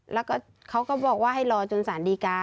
แล้วก็เขาก็บอกว่าให้รอจนสารดีกา